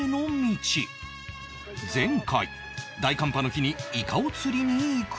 前回大寒波の日にイカを釣りに行くも